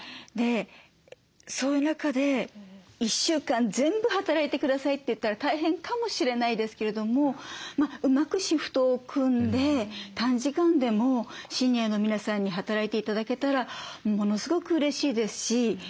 そういう中で１週間全部働いて下さいといったら大変かもしれないですけれどもうまくシフトを組んで短時間でもシニアの皆さんに働いて頂けたらものすごくうれしいですし。